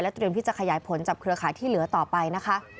เตรียมที่จะขยายผลจับเครือข่ายที่เหลือต่อไปนะคะ